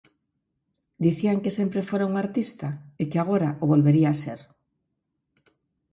Dicían que sempre fora un artista e que agora o volvería ser.